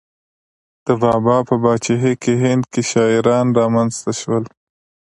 د بابا په پاچاهۍ کې هند کې شاعران را منځته شول.